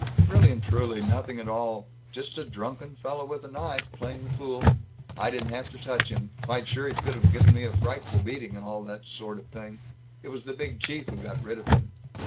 "Really and truly. Nothing at all. Just a drunken fellow with a knife, playing the fool. I didn't have to touch him quite sure he could have given me a frightful beating and all that sort of thing. It was the Big Chief who got rid of him."